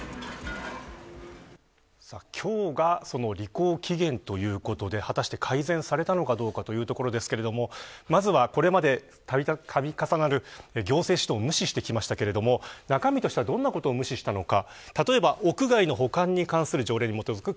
今日が、その履行期限ということで、果たして改善されたのかどうかというところですけどまずは、これまで度重なる行政指導を無視してきましたけど中身としてはどんなことを無視したのか。